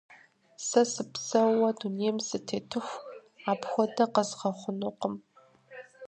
Сэ сыпсэууэ дунейм сытетыху, апхуэдэ къэзгъэхъунукъым.